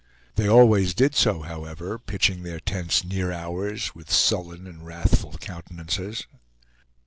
They always did so, however, pitching their tents near ours, with sullen and wrathful countenances.